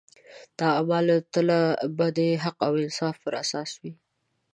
د اعمالو تله به د حق او انصاف پر اساس وي.